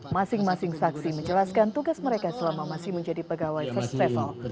masing masing saksi menjelaskan tugas mereka selama masih menjadi pegawai first travel